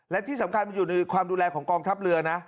และที่สำคัญมันอยู่ในความดูแลของกองทัพเรือนะ